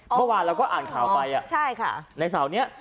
เมื่อวานเราก็อ่านข่าวไปในเสาร์นี้